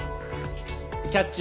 「キャッチ！